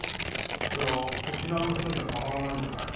これは沖縄の人にはたまらないんじゃない？